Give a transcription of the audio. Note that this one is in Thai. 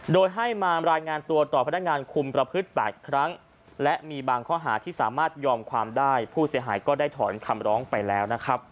โดยให้มารายงานตัวต่อพนักงานคุมประพฤติ๘ครั้งและมีบางข้อหาที่สามารถยอมความได้ผู้เสียหายก็ได้ถอนคำร้องไปแล้วนะครับ